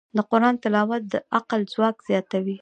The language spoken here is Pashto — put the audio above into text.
د قرآن تلاوت د عقل ځواک زیاتوي.